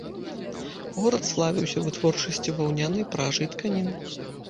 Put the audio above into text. Горад славіўся вытворчасцю ваўнянай пражы і тканін.